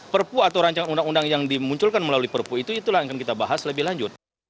perpu atau rancangan undang undang yang dimunculkan melalui perpu itu itulah yang akan kita bahas lebih lanjut